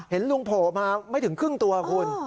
เห็นลุงโผล่มาไม่ถึงครึ่งตัวคุณ